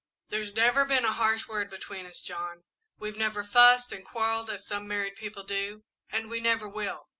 "There's never been a harsh word between us, John; we've never fussed and quarrelled as some married people do, and we never will.